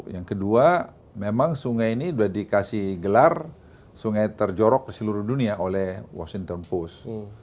yang kedua memang sungai ini sudah dikasih gelar sungai terjorok di seluruh dunia oleh washington post